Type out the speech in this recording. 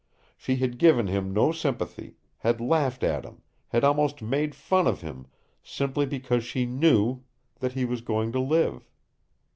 She had given him no sympathy, had laughed at him, had almost made fun of him, simply because she knew that he was going to live!